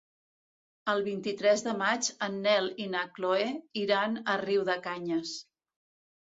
El vint-i-tres de maig en Nel i na Chloé iran a Riudecanyes.